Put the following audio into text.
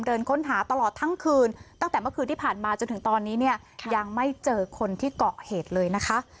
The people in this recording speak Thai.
เดินค้นหาตลอดทั้งคืนตั้งแต่เมื่อคืนที่ผ่านมาจนถึงตอนนี้เนี่ยยังไม่เจอคนที่เกาะเหตุเลยนะคะ